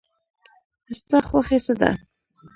ستا خوښی څه ده؟